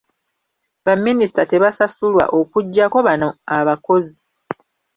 Baminisita tebasasulwa okuggyako bano abakozi.